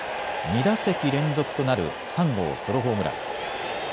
２打席連続となる３号ソロホームラン。